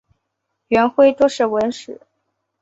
元晖多涉文史。